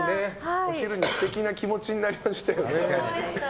お昼にね素敵な気持ちになりました。